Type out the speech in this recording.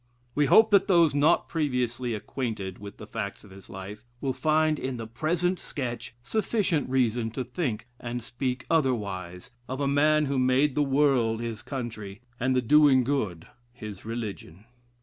We hope that those not previously acquainted with the facts of his life, will find in the present sketch sufficient reason to think and speak otherwise of a man who made the world his country, and the doing good his religion.